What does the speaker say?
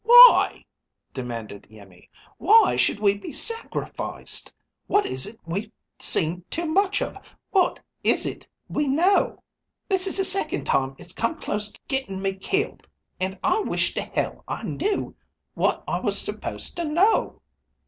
"Why?" demanded Iimmi. "Why should we be sacrificed? What is it we've seen too much of, what is it we know? This is the second time it's come close to getting me killed, and I wish to hell I knew what I was supposed to know?"